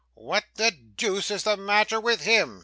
'What the deuce is the matter with him?